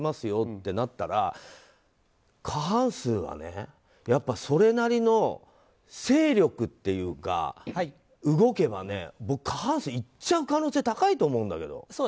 よってなったら過半数はやっぱそれなりの勢力っていうか動けば過半数いっちゃう可能性が高いと思うんだけど。